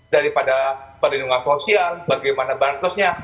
daripada perlindungan sosial bagaimana barang sosnya